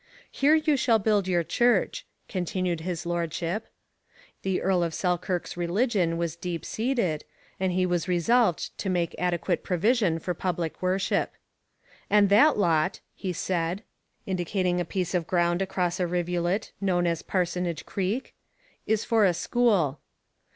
'Here you shall build your church,' continued his lordship. The Earl of Selkirk's religion was deep seated, and he was resolved to make adequate provision for public worship. 'And that lot,' he said, indicating a piece of ground across a rivulet known as Parsonage Creek, 'is for a school.'